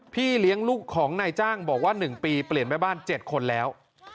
พี่เลี้ยงลูกของนายจ้างบอกว่า๑ปีเปลี่ยนแม่บ้าน๗คนแล้ว